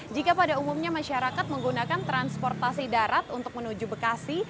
jika pada umumnya masyarakat menggunakan transportasi darat untuk menuju bekasi